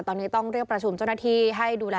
ตอนนี้ต้องเรียกประชุมเจ้าหน้าที่ให้ดูแล